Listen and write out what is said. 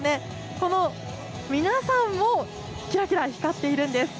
この、皆さんもきらきら光っているんです。